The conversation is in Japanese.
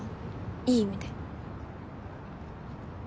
いい意味で。